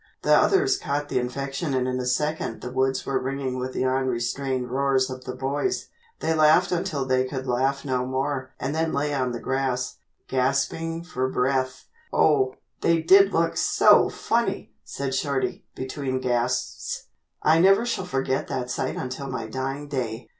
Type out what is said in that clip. The others caught the infection and in a second the woods were ringing with the unrestrained roars of the boys. They laughed until they could laugh no more and then lay on the grass, gasping for breath. "Oh, they did look so funny!" said Shorty between gasps. "I never shall forget that sight until my dying day."